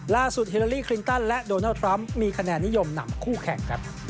ฮิลาลีคลินตันและโดนัลดทรัมป์มีคะแนนนิยมนำคู่แข่งครับ